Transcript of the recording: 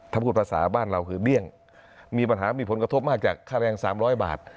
ถ้าพูดภาษาบ้านเราคือเบี้ยงมีปัญหามีผลกระทบมากจากค่าแรง๓๐๐บาท